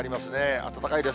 暖かいです。